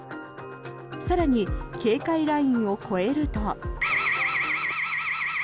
更に、警戒ラインを越えると。